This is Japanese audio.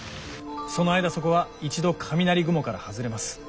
その間そこは一度雷雲から外れます。